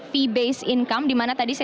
keuangan syariah yang diberikan oleh bank mega